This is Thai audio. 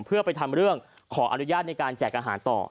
เพื่อไปทำเรื่องขออนุญาตในการแจกอาหารต่อ